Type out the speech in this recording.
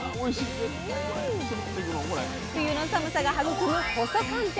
冬の寒さが育む細寒天。